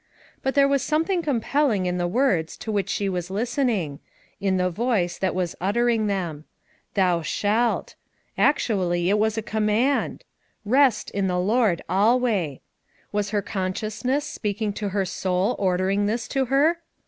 But there was something compelling in the words to which she was listening — in the voice that was uttering them. "Thou shalt" — actually it was a command! — "rest in the Lord alway." Was her consciousness speaking to her soul order ing this to her?